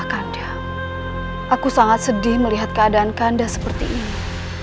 aku sangat sedih melihat keadaan kanda seperti ini